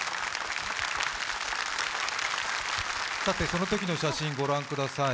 そのときの写真、御覧ください。